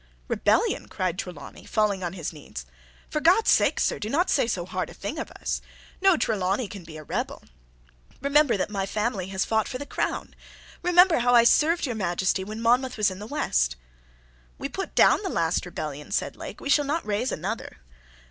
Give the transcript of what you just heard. "Rebellion!" cried Trelawney, falling on his knees. "For God's sake, sir, do not say so hard a thing of us. No Trelawney can be a rebel. Remember that my family has fought for the crown. Remember how I served your Majesty when Monmouth was in the West." "We put down the last rebellion," said Lake, "we shall not raise another."